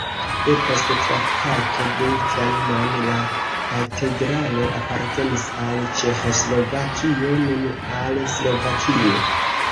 Depost Traktato de Trianon la katedralo apartenis al Ĉeĥoslovakio, nun al Slovakio.